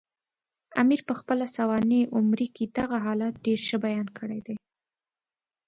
امیر پخپله سوانح عمري کې دغه حالت ډېر ښه بیان کړی دی.